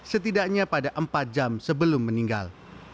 setidaknya pada empat jam sebelum meninggal